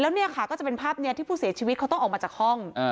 แล้วเนี่ยค่ะก็จะเป็นภาพนี้ที่ผู้เสียชีวิตเขาต้องออกมาจากห้อง